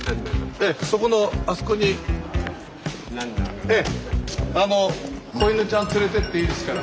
そこのあそこに小犬ちゃん連れてっていいですから。